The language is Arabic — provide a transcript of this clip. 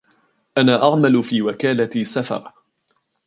أنا أعمل في وكالة سَفر.